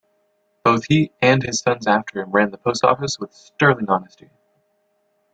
Both he and his sons after him ran the post office with sterling honesty.